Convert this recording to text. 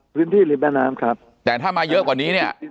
ริมแม่น้ำครับแต่ถ้ามาเยอะกว่านี้เนี่ย